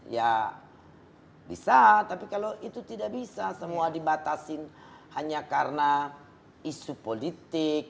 ya bisa tapi kalau itu tidak bisa semua dibatasin hanya karena isu politik